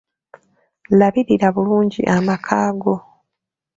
Labirira bulungi amaka go.